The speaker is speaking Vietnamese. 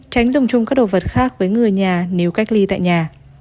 tránh dùng chung các đồ vật khác với người nhà nếu cách ly tại nhà